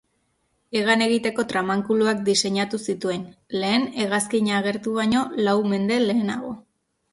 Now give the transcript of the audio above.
Hegan egiteko tramankuluak diseinatu zituen, lehen hegazkina agertu baino lau mende lehenago.